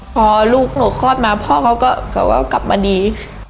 พอลูกหนูคลอดมาพ่อเขาก็กลับมาดี